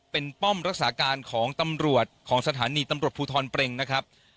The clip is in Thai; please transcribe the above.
เป็นป้อมรักษาการของตำรวจของสถานีตำรวจภูทรเปรงนะครับ